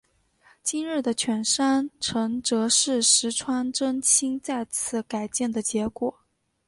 今日的犬山城则是石川贞清再次改建的结果。